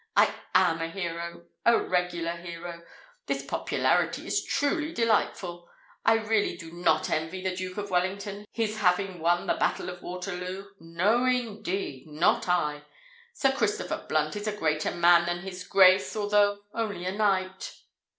I am a hero—a regular hero! This popularity is truly delightful. I really do not envy the Duke of Wellington his having won the battle of Waterloo. No, indeed—not I! Sir Christopher Blunt is a greater man than his Grace, although only a knight."